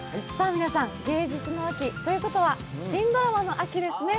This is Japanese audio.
皆さん、芸術の秋ということは新ドラマの秋ですね。